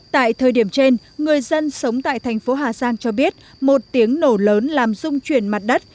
tại thời điểm trên người dân sống tại thành phố hà giang cho biết một tiếng nổ lớn làm dung chuyển mặt đất